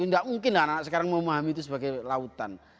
ini enggak mungkin lah anak anak sekarang mau memahami itu sebagai lautan